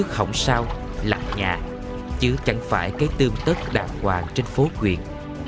không sao lạc nhà chứ chẳng phải cái tương tất đàng hoàng trên phố quyền